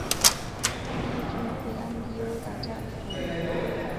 但日军会暗地殴打战俘。